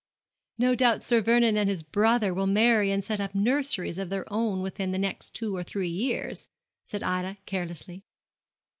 "' 'No doubt Sir Vernon and his brother will marry and set up nurseries of their own within the next two or three years,' said Ida, carelessly.